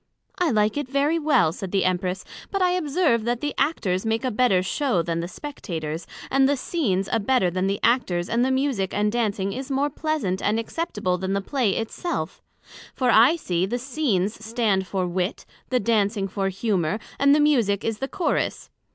I like it very well, said the Empress; but I observe that the Actors make a better show than the Spectators; and the Scenes a better than the Actors and the Musick and Dancing is more pleasant and acceptable than the Play it self; for I see, the Scenes stand for Wit, the Dancing for Humour, and the Musick is the Chorus.